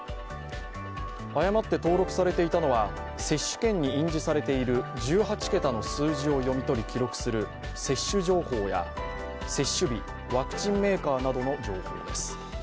誤って登録されていたのは、接種券に印字されている１８桁の数字を読み取り記録する接種情報や接種日、ワクチンメーカーなどの情報です。